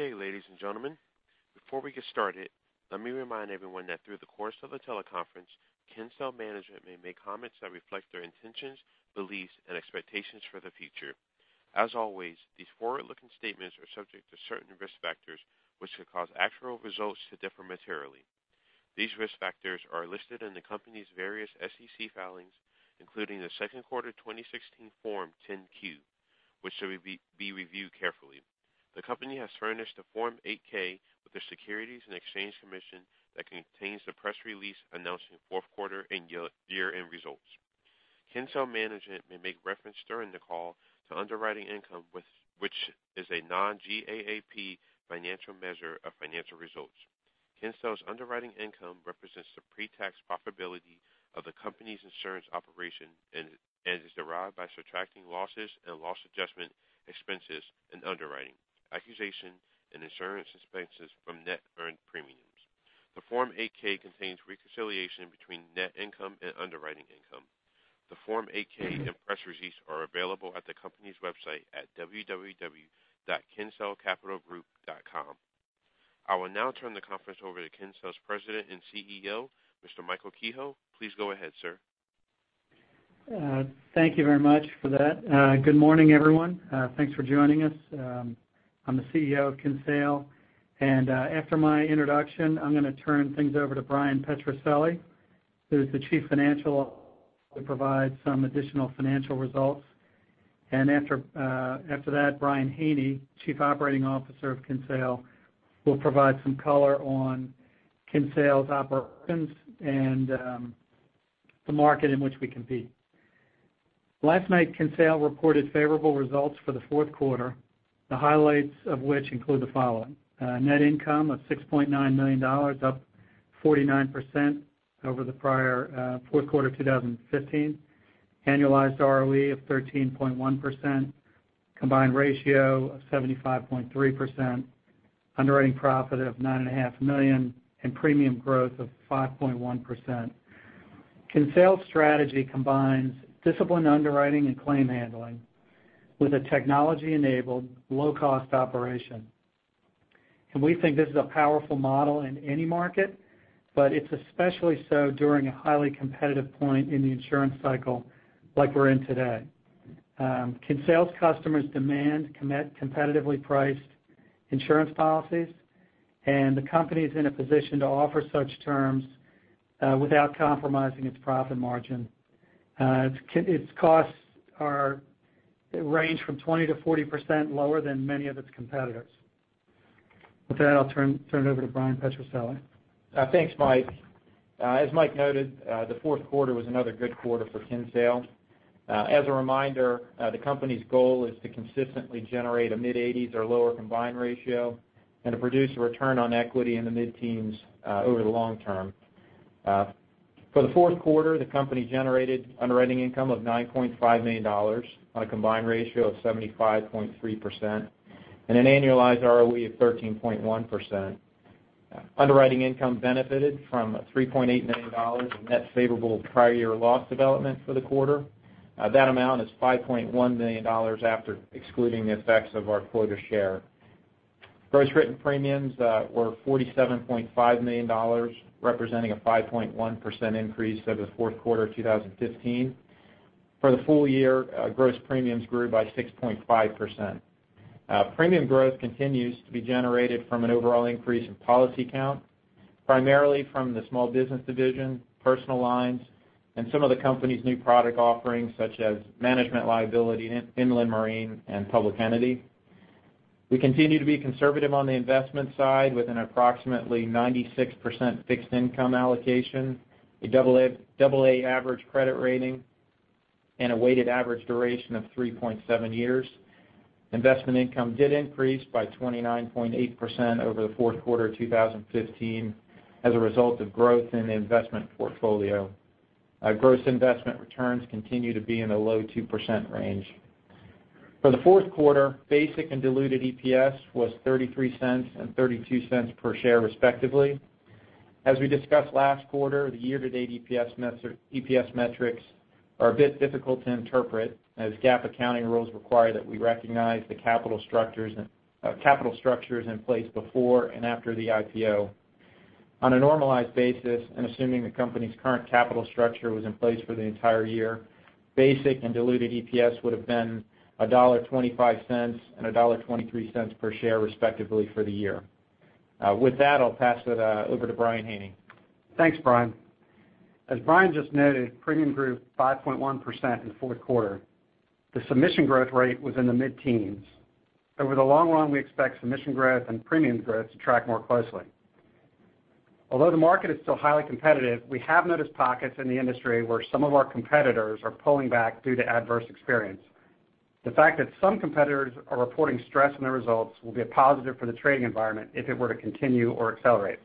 Good day, ladies and gentlemen. Before we get started, let me remind everyone that through the course of the teleconference, Kinsale management may make comments that reflect their intentions, beliefs, and expectations for the future. As always, these forward-looking statements are subject to certain risk factors which could cause actual results to differ materially. These risk factors are listed in the company's various SEC filings, including the second quarter 2016 Form 10-Q, which should be reviewed carefully. The company has furnished a Form 8-K with the Securities and Exchange Commission that contains the press release announcing fourth quarter and year-end results. Kinsale management may make reference during the call to underwriting income, which is a non-GAAP financial measure of financial results. Kinsale's underwriting income represents the pre-tax profitability of the company's insurance operation and is derived by subtracting losses and loss adjustment expenses and underwriting, acquisition, and insurance expenses from net earned premiums. The Form 8-K contains reconciliation between net income and underwriting income. The Form 8-K and press release are available at the company's website at www.kinsalecapitalgroup.com. I will now turn the conference over to Kinsale's President and CEO, Mr. Michael Kehoe. Please go ahead, sir. Thank you very much for that. Good morning, everyone. Thanks for joining us. I'm the CEO of Kinsale, after my introduction, I'm going to turn things over to Bryan P. Petrucelli, who is the Chief Financial Officer, to provide some additional financial results. After that, Brian D. Haney, Chief Operating Officer of Kinsale, will provide some color on Kinsale's operations and the market in which we compete. Last night, Kinsale reported favorable results for the fourth quarter, the highlights of which include the following. Net income of $6.9 million, up 49% over the prior fourth quarter 2015, annualized ROE of 13.1%, combined ratio of 75.3%, underwriting profit of $9.5 million, and premium growth of 5.1%. Kinsale's strategy combines disciplined underwriting and claim handling with a technology-enabled low-cost operation. We think this is a powerful model in any market, but it's especially so during a highly competitive point in the insurance cycle like we're in today. Kinsale's customers demand competitively priced insurance policies, and the company is in a position to offer such terms without compromising its profit margin. Its costs range from 20%-40% lower than many of its competitors. With that, I'll turn it over to Bryan P. Petrucelli. Thanks, Mike. As Mike noted, the fourth quarter was another good quarter for Kinsale. As a reminder, the company's goal is to consistently generate a mid-80s or lower combined ratio and to produce a return on equity in the mid-teens over the long term. For the fourth quarter, the company generated underwriting income of $9.5 million on a combined ratio of 75.3% and an annualized ROE of 13.1%. Underwriting income benefited from $3.8 million in net favorable prior year loss development for the quarter. That amount is $5.1 million after excluding the effects of our quota share. Gross written premiums were $47.5 million, representing a 5.1% increase over the fourth quarter of 2015. For the full year, gross premiums grew by 6.5%. Premium growth continues to be generated from an overall increase in policy count, primarily from the small business division, personal lines, and some of the company's new product offerings, such as management liability, inland marine, and public entity. We continue to be conservative on the investment side with an approximately 96% fixed income allocation, a double A average credit rating, and a weighted average duration of 3.7 years. Investment income did increase by 29.8% over the fourth quarter 2015 as a result of growth in the investment portfolio. Gross investment returns continue to be in the low 2% range. For the fourth quarter, basic and diluted EPS was $0.33 and $0.32 per share, respectively. As we discussed last quarter, the year-to-date EPS metrics are a bit difficult to interpret, as GAAP accounting rules require that we recognize the capital structures in place before and after the IPO. On a normalized basis, assuming the company's current capital structure was in place for the entire year, basic and diluted EPS would have been $1.25 and $1.23 per share, respectively, for the year. With that, I'll pass it over to Brian Haney. Thanks, Brian. As Brian just noted, premium grew 5.1% in the fourth quarter. The submission growth rate was in the mid-teens. Over the long run, we expect submission growth and premium growth to track more closely. Although the market is still highly competitive, we have noticed pockets in the industry where some of our competitors are pulling back due to adverse experience. The fact that some competitors are reporting stress in their results will be a positive for the trading environment if it were to continue or accelerate.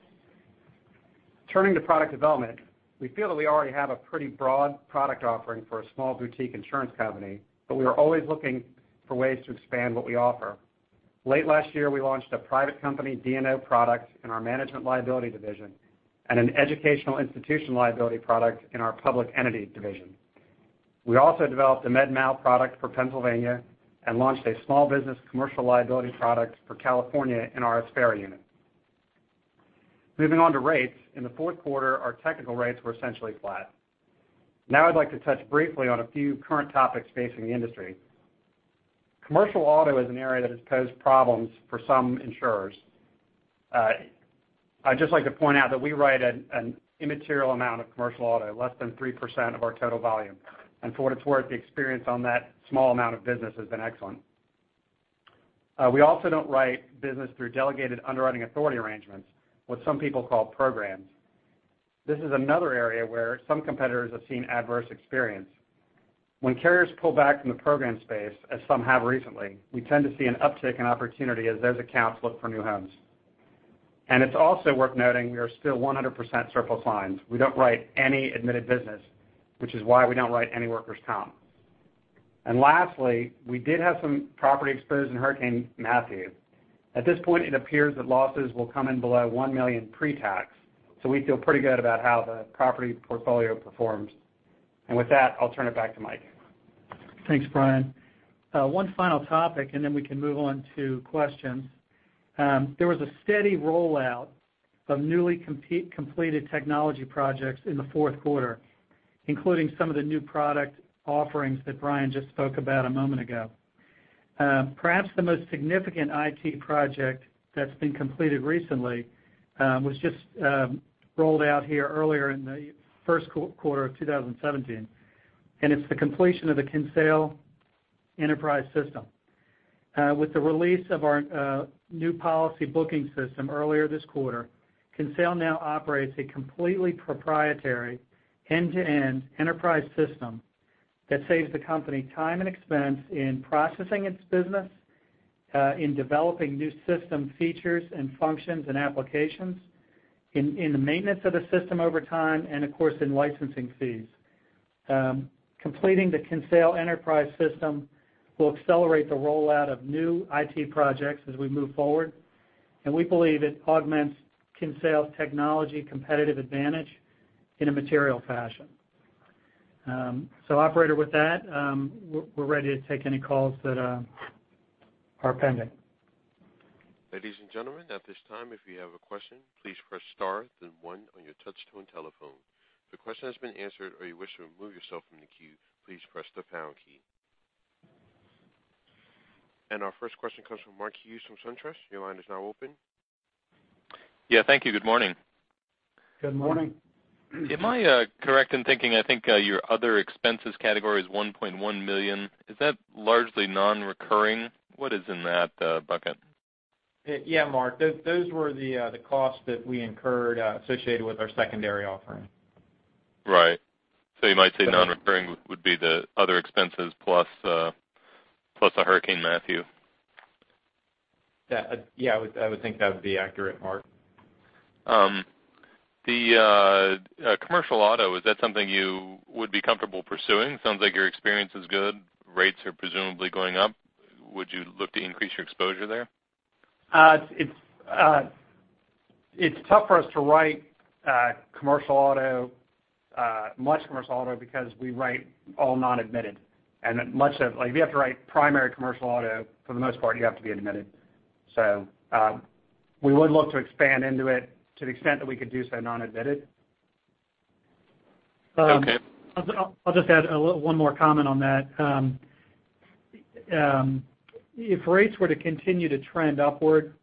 Turning to product development, we feel that we already have a pretty broad product offering for a small boutique insurance company, but we are always looking for ways to expand what we offer. Late last year, we launched a private company D&O product in our management liability division and an educational institution liability product in our public entity division. We also developed a med mal product for Pennsylvania and launched a small business commercial liability product for California in our Aspera unit. Moving on to rates. In the fourth quarter, our technical rates were essentially flat. I'd like to touch briefly on a few current topics facing the industry. commercial auto is an area that has posed problems for some insurers. I'd just like to point out that we write an immaterial amount of commercial auto, less than 3% of our total volume. For what it's worth, the experience on that small amount of business has been excellent. We also don't write business through delegated underwriting authority arrangements, what some people call programs. This is another area where some competitors have seen adverse experience. When carriers pull back from the program space, as some have recently, we tend to see an uptick in opportunity as those accounts look for new homes. It's also worth noting, we are still 100% surplus lines. We don't write any admitted business, which is why we don't write any workers' comp. Lastly, we did have some property exposure in Hurricane Matthew. At this point, it appears that losses will come in below $1 million pre-tax. We feel pretty good about how the property portfolio performed. With that, I'll turn it back to Mike. Thanks, Brian. One final topic, then we can move on to questions. There was a steady rollout of newly completed technology projects in the fourth quarter, including some of the new product offerings that Brian just spoke about a moment ago. Perhaps the most significant IT project that's been completed recently was just rolled out here earlier in the first quarter of 2017, it's the completion of the Kinsale Enterprise system. With the release of our new policy booking system earlier this quarter, Kinsale now operates a completely proprietary end-to-end enterprise system that saves the company time and expense in processing its business, in developing new system features and functions and applications, in the maintenance of the system over time, of course, in licensing fees. Completing the Kinsale Enterprise system will accelerate the rollout of new IT projects as we move forward, we believe it augments Kinsale's technology competitive advantage in a material fashion. Operator, with that, we're ready to take any calls that are pending. Ladies and gentlemen, at this time, if you have a question, please press star then one on your touch-tone telephone. If the question has been answered or you wish to remove yourself from the queue, please press the pound key. Our first question comes from Mark Hughes from SunTrust. Your line is now open. Yeah, thank you. Good morning. Good morning. Am I correct in thinking, I think your other expenses category is $1.1 million. Is that largely non-recurring? What is in that bucket? Yeah, Mark. Those were the costs that we incurred associated with our secondary offering. Right. You might say non-recurring would be the other expenses plus the Hurricane Matthew. Yeah, I would think that would be accurate, Mark. The commercial auto, is that something you would be comfortable pursuing? It sounds like your experience is good. Rates are presumably going up. Would you look to increase your exposure there? It's tough for us to write much commercial auto because we write all non-admitted. If you have to write primary commercial auto, for the most part, you have to be admitted. We would look to expand into it to the extent that we could do so non-admitted. Okay. I'll just add one more comment on that. If rates were to continue to trend upward,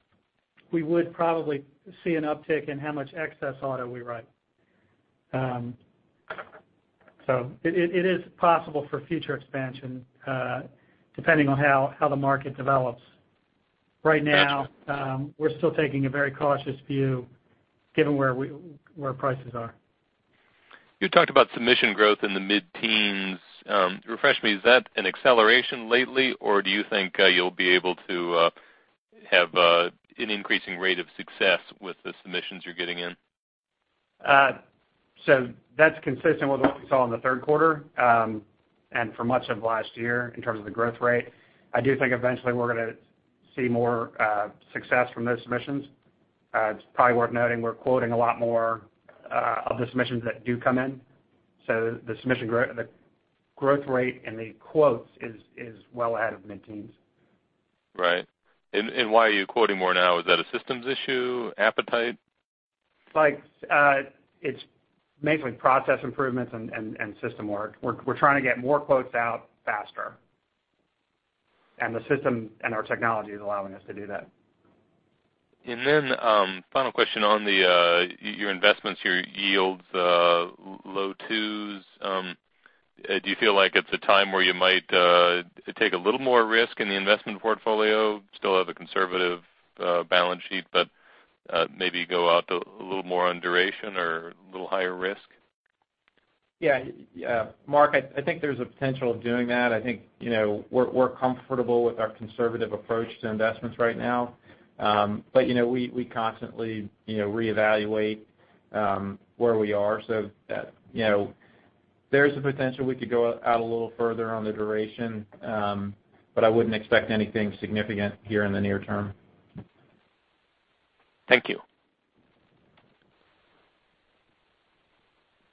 we would probably see an uptick in how much excess auto we write. It is possible for future expansion, depending on how the market develops. Right now, we're still taking a very cautious view given where prices are. You talked about submission growth in the mid-teens. Refresh me, is that an acceleration lately, or do you think you'll be able to have an increasing rate of success with the submissions you're getting in? That's consistent with what we saw in the third quarter, and for much of last year in terms of the growth rate. I do think eventually we're going to see more success from those submissions. It's probably worth noting we're quoting a lot more of the submissions that do come in. The growth rate in the quotes is well ahead of mid-teens. Right. Why are you quoting more now? Is that a systems issue? Appetite? It's mainly process improvements and system work. We're trying to get more quotes out faster. The system and our technology is allowing us to do that. Final question on your investments, your yields, low twos. Do you feel like it's a time where you might take a little more risk in the investment portfolio, still have a conservative balance sheet, but maybe go out a little more on duration or a little higher risk? Yeah. Mark, I think there's a potential of doing that. I think we're comfortable with our conservative approach to investments right now. We constantly reevaluate where we are. There's the potential we could go out a little further on the duration, but I wouldn't expect anything significant here in the near term. Thank you.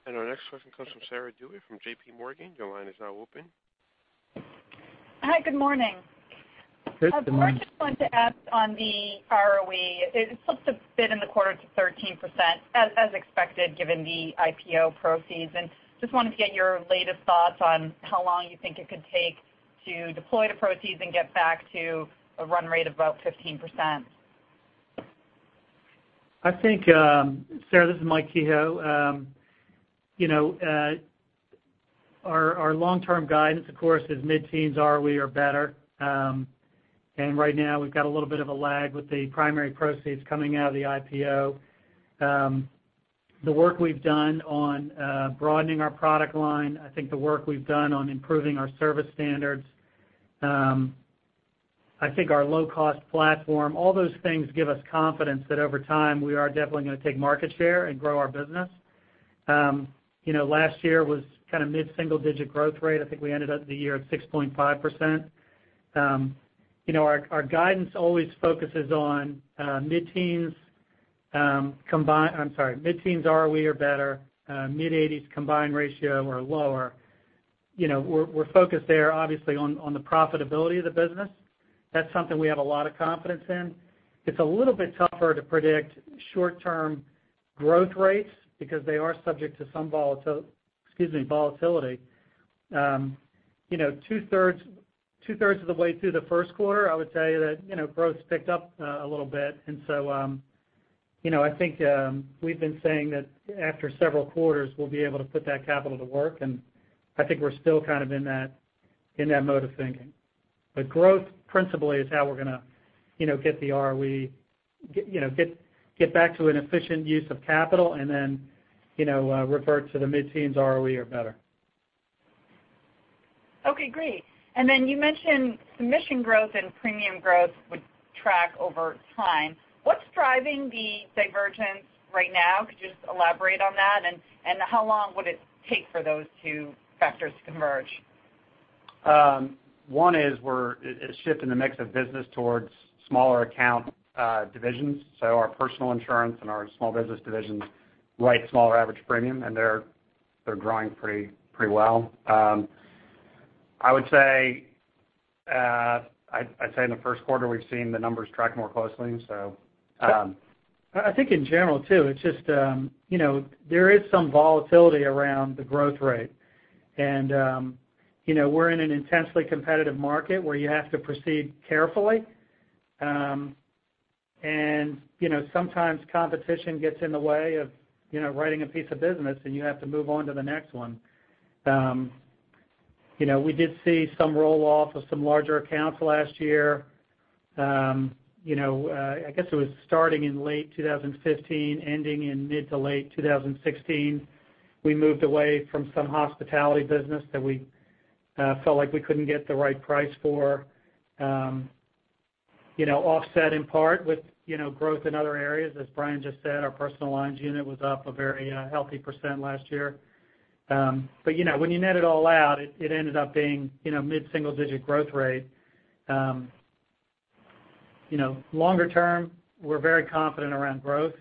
Our next question comes from Sarah DeWitt from JPMorgan. Your line is now open. Hi, good morning. Good morning. I just wanted to ask on the ROE. It slipped a bit in the quarter to 13%, as expected, given the IPO proceeds, and just wanted to get your latest thoughts on how long you think it could take to deploy the proceeds and get back to a run rate of about 15%. Sarah, this is Mike Kehoe. Our long-term guidance, of course, is mid-teens ROE or better. Right now we've got a little bit of a lag with the primary proceeds coming out of the IPO. The work we've done on broadening our product line, I think the work we've done on improving our service standards, I think our low-cost platform, all those things give us confidence that over time we are definitely going to take market share and grow our business. Last year was mid-single-digit growth rate. I think we ended up the year at 6.5%. Our guidance always focuses on mid-teens ROE or better, mid-80s combined ratio or lower. We're focused there obviously on the profitability of the business. That's something we have a lot of confidence in. It's a little bit tougher to predict short-term growth rates because they are subject to some volatility. Two-thirds of the way through the first quarter, I would say that growth's picked up a little bit, I think we've been saying that after several quarters, we'll be able to put that capital to work, I think we're still in that mode of thinking. Growth principally is how we're going to get back to an efficient use of capital and then revert to the mid-teens ROE or better. Okay, great. You mentioned submission growth and premium growth would track over time. What's driving the divergence right now? Could you just elaborate on that, and how long would it take for those two factors to converge? One is a shift in the mix of business towards smaller account divisions. Our personal insurance and our small business divisions write smaller average premium, and they're growing pretty well. I'd say in the first quarter, we've seen the numbers track more closely. I think in general, too, there is some volatility around the growth rate. We're in an intensely competitive market where you have to proceed carefully. Sometimes competition gets in the way of writing a piece of business, and you have to move on to the next one. We did see some roll-off of some larger accounts last year. I guess it was starting in late 2015, ending in mid to late 2016. We moved away from some hospitality business that we felt like we couldn't get the right price for. Offset in part with growth in other areas. As Brian just said, our personal lines unit was up a very healthy % last year. When you net it all out, it ended up being mid-single-digit growth rate. Longer term, we're very confident around growth.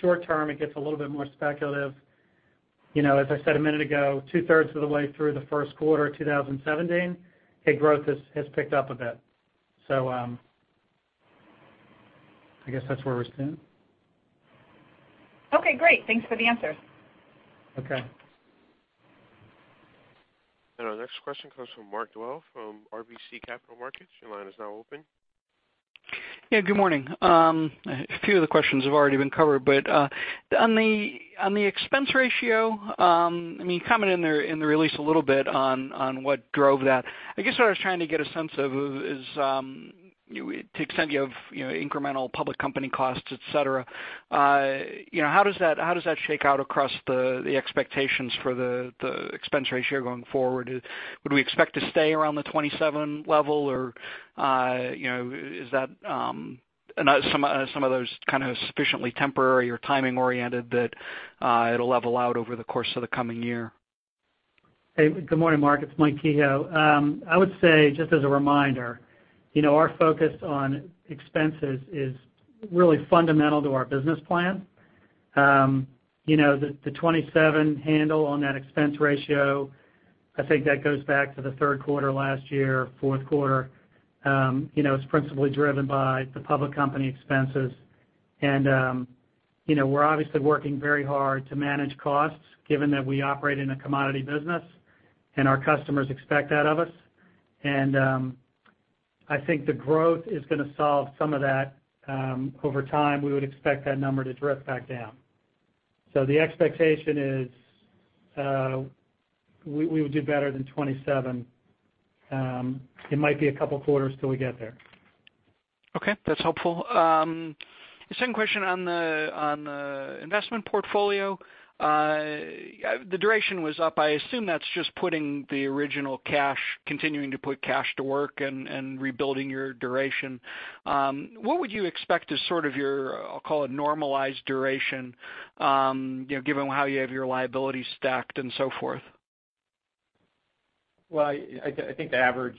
Short term, it gets a little bit more speculative. As I said a minute ago, two-thirds of the way through the first quarter 2017, hey, growth has picked up a bit. I guess that's where we stand. Okay, great. Thanks for the answers. Okay. Our next question comes from Mark Dwelle from RBC Capital Markets. Your line is now open. Yeah, good morning. A few of the questions have already been covered, but on the expense ratio, you commented in the release a little bit on what drove that. I guess what I was trying to get a sense of is to the extent you have incremental public company costs, et cetera, how does that shake out across the expectations for the expense ratio going forward? Would we expect to stay around the 27 level, or are some of those sufficiently temporary or timing-oriented that it'll level out over the course of the coming year? Hey, good morning, Mark. It's Mike Kehoe. I would say, just as a reminder, our focus on expenses is really fundamental to our business plan. The 27 handle on that expense ratio, I think that goes back to the third quarter last year, fourth quarter. It's principally driven by the public company expenses. We're obviously working very hard to manage costs given that we operate in a commodity business and our customers expect that of us. I think the growth is going to solve some of that. Over time, we would expect that number to drift back down. The expectation is we would do better than 27. It might be a couple quarters till we get there. Okay. That's helpful. The second question on the investment portfolio. The duration was up. I assume that's just continuing to put cash to work and rebuilding your duration. What would you expect is sort of your, I'll call it normalized duration, given how you have your liability stacked and so forth? Well, I think the average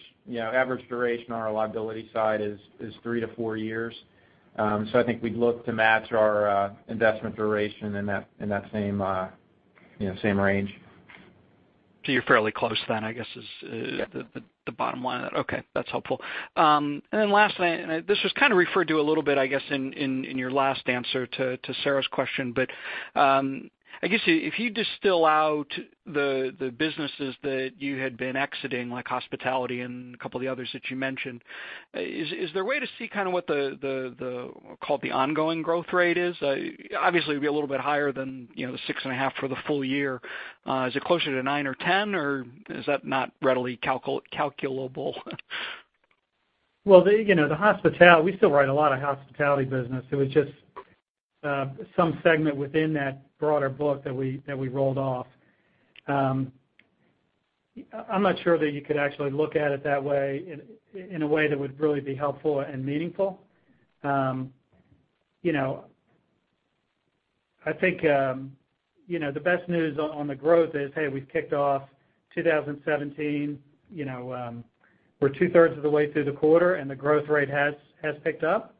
duration on our liability side is 3-4 years. I think we'd look to match our investment duration in that same range. You're fairly close then, I guess. Yeah The bottom line of that. Okay, that's helpful. Lastly, and this was kind of referred to a little bit, I guess, in your last answer to Sarah's question, but I guess if you distill out the businesses that you had been exiting, like hospitality and a couple of the others that you mentioned, is there a way to see kind of what the ongoing growth rate is? Obviously, it'd be a little bit higher than the 6.5% for the full year. Is it closer to 9% or 10% or is that not readily calculable? Well, we still write a lot of hospitality business. It was just some segment within that broader book that we rolled off. I'm not sure that you could actually look at it that way, in a way that would really be helpful and meaningful. I think the best news on the growth is, hey, we've kicked off 2017. We're two-thirds of the way through the quarter, and the growth rate has picked up.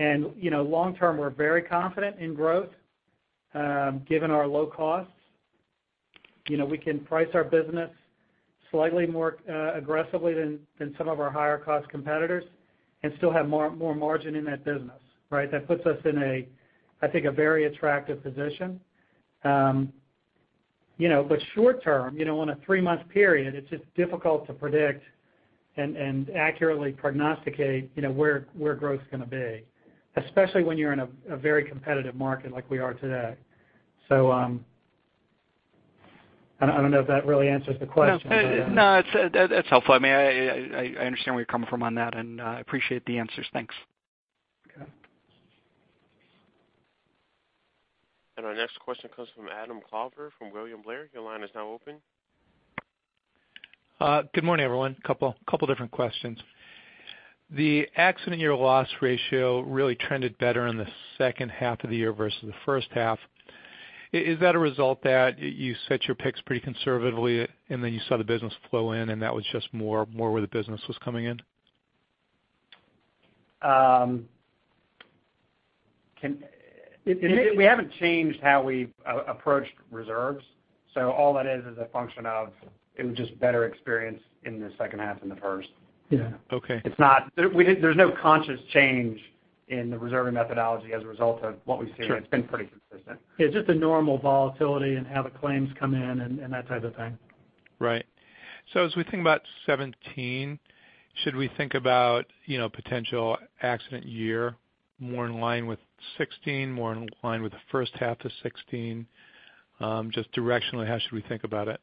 Long term, we're very confident in growth given our low costs. We can price our business slightly more aggressively than some of our higher-cost competitors and still have more margin in that business, right? That puts us in, I think, a very attractive position. Short term, in a three-month period, it's just difficult to predict and accurately prognosticate where growth's going to be, especially when you're in a very competitive market like we are today. I don't know if that really answers the question. No, that's helpful. I understand where you're coming from on that, and I appreciate the answers. Thanks. Okay. Our next question comes from Adam Klauber from William Blair. Your line is now open. Good morning, everyone. Couple different questions. The accident year loss ratio really trended better in the second half of the year versus the first half. Is that a result that you set your picks pretty conservatively, and then you saw the business flow in, and that was just more where the business was coming in? We haven't changed how we've approached reserves. All that is a function of, it was just better experience in the second half than the first. Yeah. Okay. There's no conscious change in the reserving methodology as a result of what we've seen. Sure. It's been pretty consistent. Yeah, just a normal volatility and how the claims come in and that type of thing. Right. As we think about 2017, should we think about potential accident year more in line with 2016, more in line with the first half of 2016? Just directionally, how should we think about it?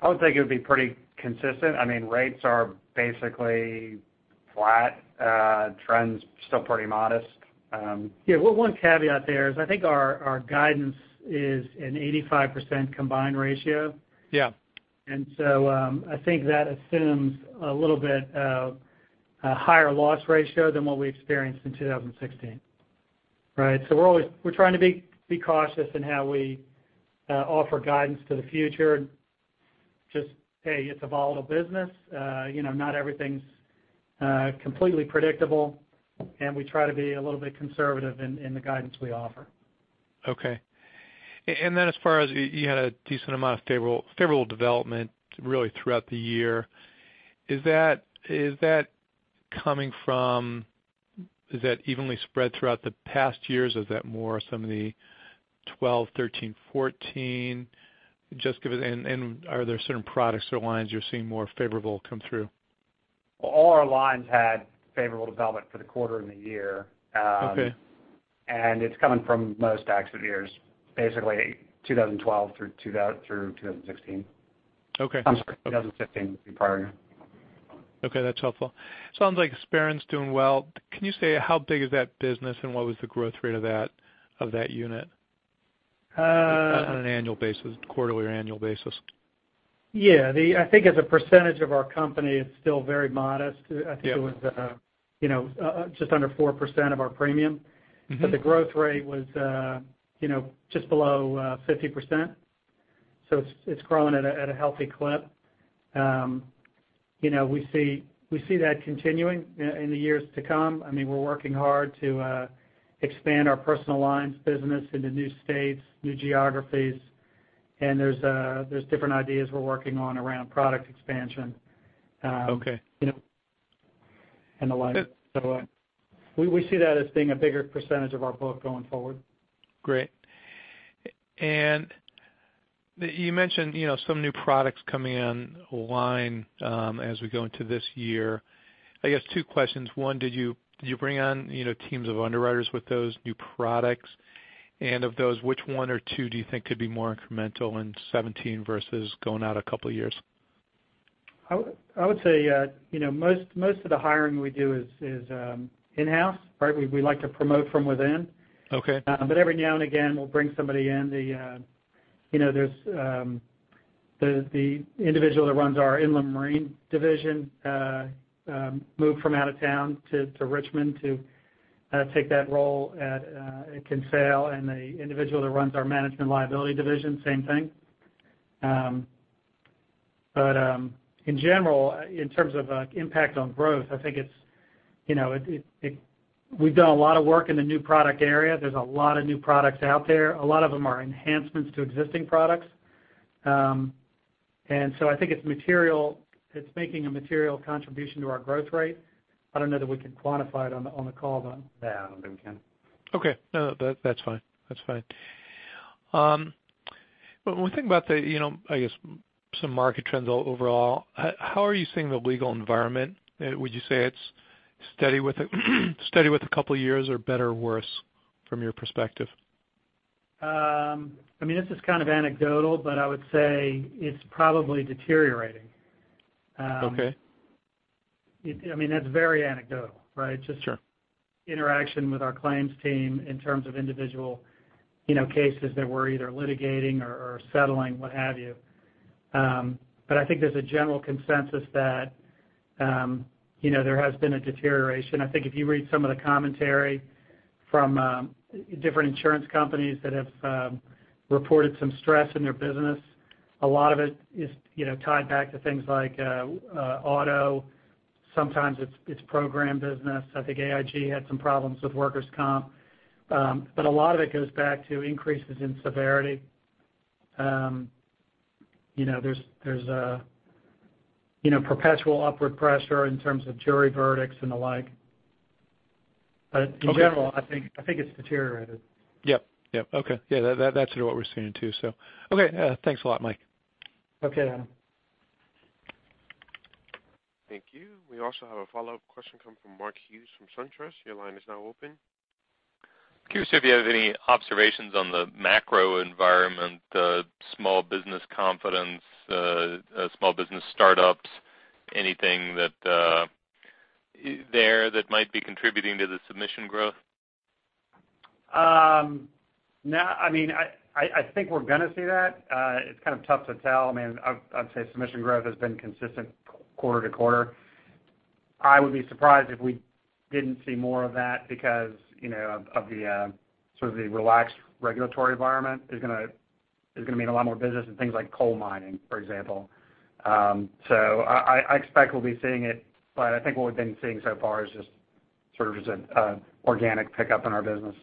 I would think it would be pretty consistent. Rates are basically flat. Trends still pretty modest. Yeah. One caveat there is I think our guidance is an 85% combined ratio. Yeah. I think that assumes a little bit of a higher loss ratio than what we experienced in 2016, right? We're trying to be cautious in how we offer guidance to the future. Just, hey, it's a volatile business. Not everything's completely predictable, and we try to be a little bit conservative in the guidance we offer. Okay. As far as, you had a decent amount of favorable development really throughout the year. Is that evenly spread throughout the past years? Is that more some of the 2012, 2013, 2014? Are there certain products or lines you're seeing more favorable come through? All our lines had favorable development for the quarter and the year. Okay. It's coming from most accident years, basically 2012 through 2016. Okay. I'm sorry, 2015 and prior. Okay, that's helpful. Sounds like experience doing well. Can you say how big is that business, and what was the growth rate of that unit on an annual basis, quarterly or annual basis? Yeah. I think as a percentage of our company, it's still very modest. Yeah. I think it was just under 4% of our premium. The growth rate was just below 50%. It's growing at a healthy clip. We see that continuing in the years to come. We're working hard to expand our personal lines business into new states, new geographies, and there's different ideas we're working on around product expansion. Okay The like. We see that as being a bigger percentage of our book going forward. Great. You mentioned some new products coming online as we go into this year. I guess two questions. One, did you bring on teams of underwriters with those new products? Of those, which one or two do you think could be more incremental in 2017 versus going out a couple of years? I would say most of the hiring we do is in-house, right? We like to promote from within. Okay. Every now and again, we'll bring somebody in. The individual that runs our inland marine division moved from out of town to Richmond to take that role at Kinsale, and the individual that runs our management liability division, same thing. In general, in terms of impact on growth, I think we've done a lot of work in the new product area. There's a lot of new products out there. A lot of them are enhancements to existing products. I think it's making a material contribution to our growth rate. I don't know that we can quantify it on the call, though. Yeah, I don't think we can. Okay. No, that's fine. When we think about, I guess, some market trends overall, how are you seeing the legal environment? Would you say it's steady with a couple of years, or better or worse from your perspective? This is kind of anecdotal, but I would say it's probably deteriorating. Okay. That's very anecdotal, right? Sure. Just interaction with our claims team in terms of individual cases that we're either litigating or settling, what have you. I think there's a general consensus that there has been a deterioration. I think if you read some of the commentary from different insurance companies that have reported some stress in their business, a lot of it is tied back to things like auto. Sometimes it's program business. I think AIG had some problems with workers' compensation. A lot of it goes back to increases in severity. There's a perpetual upward pressure in terms of jury verdicts and the like. In general- Okay I think it's deteriorated. Yep. Okay. Yeah, that's what we're seeing too. Okay, thanks a lot, Mike. Okay, Adam. Thank you. We also have a follow-up question coming from Mark Hughes from SunTrust. Your line is now open. Curious if you have any observations on the macro environment, small business confidence, small business startups, anything there that might be contributing to the submission growth? I think we're going to see that. It's kind of tough to tell. I'd say submission growth has been consistent quarter-to-quarter. I would be surprised if we didn't see more of that because of the relaxed regulatory environment is going to mean a lot more business in things like coal mining, for example. I expect we'll be seeing it, but I think what we've been seeing so far is just an organic pickup in our business.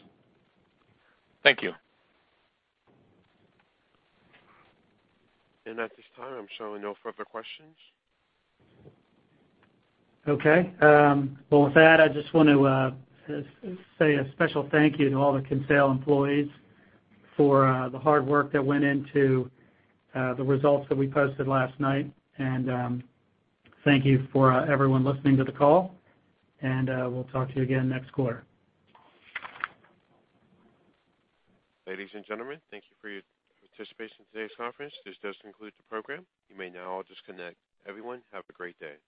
Thank you. At this time, I'm showing no further questions. Okay. Well, with that, I just want to say a special thank you to all the Kinsale employees for the hard work that went into the results that we posted last night. Thank you for everyone listening to the call, and we'll talk to you again next quarter. Ladies and gentlemen, thank you for your participation in today's conference. This does conclude the program. You may now all disconnect. Everyone, have a great day.